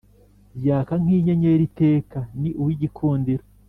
Yaka nkinyenyeri iteka ni uwigikundiro